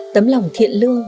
tấm lòng thiện lương